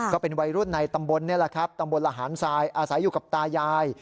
ก็เป็นวัยรุ่นในตำบลนี่แหละครับตำบลละหารทรายอาศัยอยู่กับตายาย